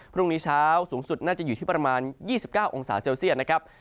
พรุ่งนี้เช้าสูงสุดน่าจะอยู่ที่ประมาณ๒๙องศาเซลเซียตนะครับ